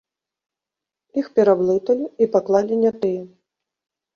Іх пераблыталі, і паклалі не тыя.